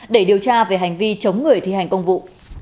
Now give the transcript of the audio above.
để điều tra về hành vi chống người thi hành công vụ